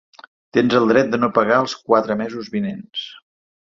Tens el dret de no pagar els quatre mesos vinents.